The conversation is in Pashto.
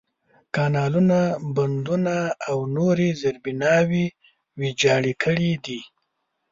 کانالونه، بندونه، او نورې زېربناوې ویجاړې کړي دي.